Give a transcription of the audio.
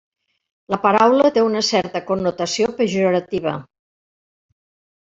La paraula té una certa connotació pejorativa.